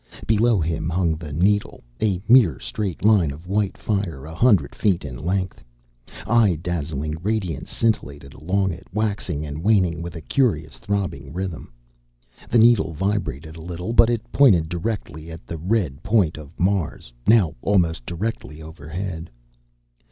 Below him hung the needle, a mere straight line of white fire, a hundred feet in length. Eye dazzling radiance scintillated along it, waxing and waning with a curious throbbing rhythm. The needle vibrated a little, but it pointed directly at the red point of Mars, now almost directly overhead.